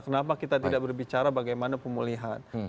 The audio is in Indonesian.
kenapa kita tidak berbicara bagaimana pemulihan